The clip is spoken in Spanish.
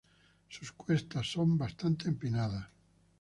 Sus cuestas son bastante empinadas.